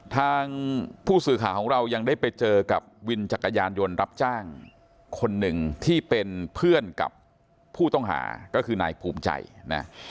ทางผู้สื่อข่าวของเรายังได้ไปเจอกับวินจักรยานยนต์รับจ้างคนหนึ่งที่เป็นเพื่อนกับผู้ต้องหาก็คือนายภูมิใจนะ